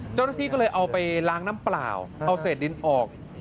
เจ้าหน้าที่ก็เลยเอาไปล้างน้ำเปล่าเอาเศษดินออก